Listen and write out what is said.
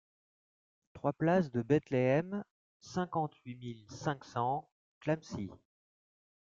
trois place de Bethléem, cinquante-huit mille cinq cents Clamecy